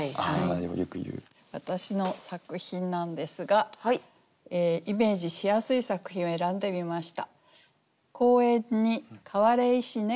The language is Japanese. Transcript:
私の作品なんですがイメージしやすい作品を選んでみました。